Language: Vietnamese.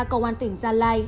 công an tỉnh gia lai